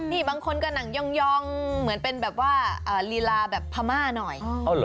นี่บางคนก็นั่งยองเหมือนเป็นแบบว่าลีลาแบบพม่าหน่อย